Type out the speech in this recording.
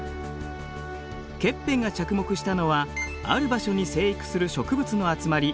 ケッペンが着目したのはある場所に生育する植物の集まり植生です。